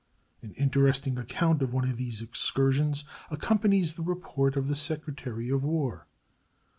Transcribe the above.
An interesting account of one of these excursions accompanies the report of the Secretary of War.